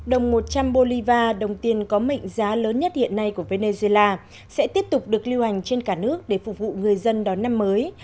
đồng một trăm linh bolivar đồng tiền có mệnh giá lớn nhất hiện nay của venezuela sẽ tiếp tục được lưu hành trên cả nước để phục vụ người dân đón năm mới